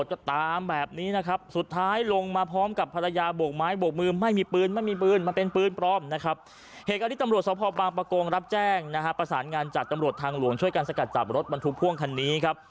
จุภาพประกงรับแจ้งประสานงานจากตำรวจทางหลวงช่วยกันสกัดจับรถปันทุพ่วงคันนี้ครับ